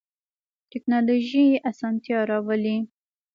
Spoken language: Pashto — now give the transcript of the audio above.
تکنالوژی اسانتیا راولی